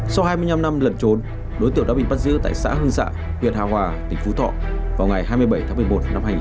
sau hai mươi năm năm lần trốn đối tượng đã bị bắt giữ tại xã hưng dạ huyện hà hòa tỉnh phú thọ vào ngày hai mươi bảy tháng một mươi một